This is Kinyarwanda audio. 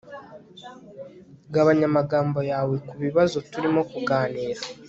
gabanya amagambo yawe kubibazo turimo kuganira